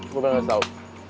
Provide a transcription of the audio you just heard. gue gak tau